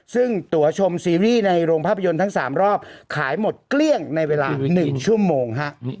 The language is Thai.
ซึ่งตัวชมซีรีส์ในโรงภาพยนตร์ทั้ง๓รอบขายหมดเกลี้ยงในเวลา๑ชั่วโมงฮะ